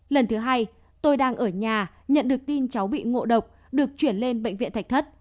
lần thứ hai tôi đang ở nhà nhận được tin cháu bị ngộ độc được chuyển lên bệnh viện thạch thất